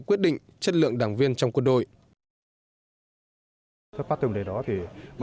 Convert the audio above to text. quyết định chất lượng đảng viên trong quân đội